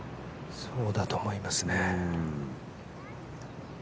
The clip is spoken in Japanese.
そうだと思いますね。